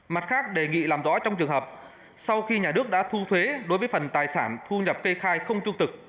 mặt khác đề nghị làm rõ trong trường hợp sau khi nhà nước đã thu thuế đối với phần tài sản thu nhập kê khai không trung tực